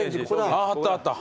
あああったあった。